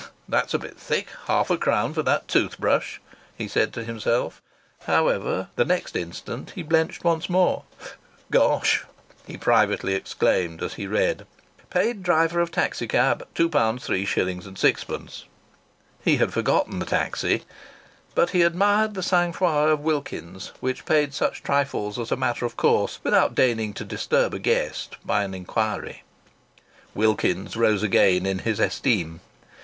"That's a bit thick, half a crown for that tooth brush!" he said to himself. "However " The next instant he blenched once more. "Gosh!" he privately exclaimed as he read: "Paid driver of taxi cab, £2, 3s. 6d." He had forgotten the taxi. But he admired the sang froid of Wilkins's, which paid such trifles as a matter of course, without deigning to disturb a guest by an inquiry. Wilkins's rose again in his esteem.